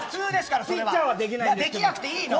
できなくていいの。